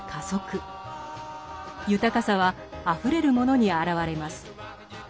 豊かさはあふれるモノにあらわれます。